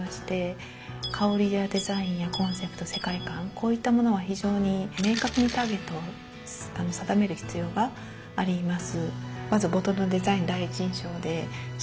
こういったものは非常に明確にターゲットを定める必要があります。